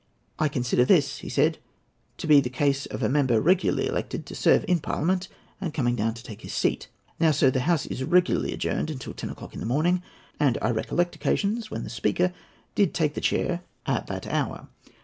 "I consider this," he said, "to be the case of a member regularly elected to serve in Parliament, and coming down to take his seat. Now, sir, the House is regularly adjourned until ten o'clock in the morning; and I recollect occasions when the Speaker did take the chair at that hour.